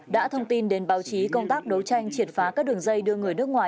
đã thông tin đến báo chí công tác đấu tranh triệt phá các đường dây đưa người nước ngoài